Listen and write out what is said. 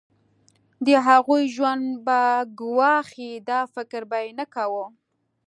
د هغوی ژوند به ګواښي دا فکر به یې نه کاوه.